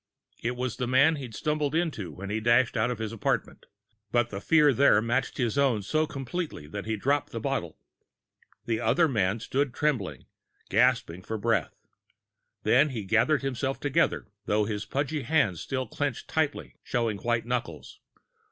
It was the man he'd stumbled into when he dashed out of his apartment. But the fear there matched his own so completely that he dropped the bottle. The other man stood trembling, gasping for breath. Then he gathered himself together, though his pudgy hands still clenched tightly, showing white knuckles.